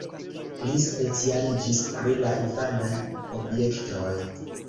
Li specialiĝis pri la infanaj objektoj.